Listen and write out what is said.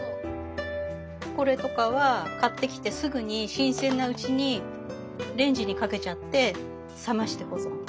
これとかは買ってきてすぐに新鮮なうちにレンジにかけちゃって冷まして保存。